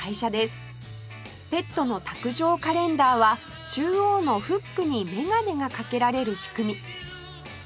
ペットの卓上カレンダーは中央のフックに眼鏡が掛けられる仕組み